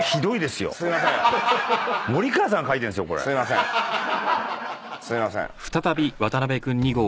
すいません。